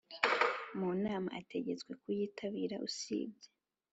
mu nama ategetswe kuyitabira Usibye